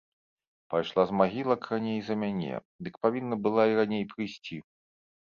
Пайшла з магілак раней за мяне, дык павінна была і раней прыйсці.